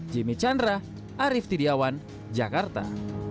jimmy chandra arief tidiawan jakarta